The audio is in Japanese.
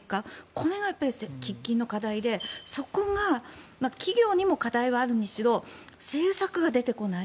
これが喫緊の課題でそこが企業にも課題はあるにしろ政策が出てこない。